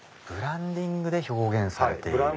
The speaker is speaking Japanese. ブランディングで表現されている。